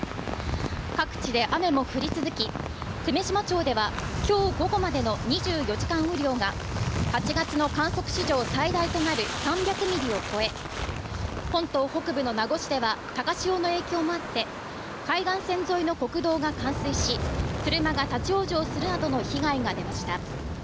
各地で雨も降り続き、久米島町では今日午後までの２４時間雨量が８月の観測史上最大となる３００ミリを超え本島北部の名護市では、高潮の影響もあって、海岸線沿いの国道が冠水し、車が立往生するなどの被害が出ました。